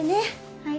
はい。